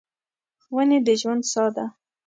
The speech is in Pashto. ونې د ژوند ساه ده.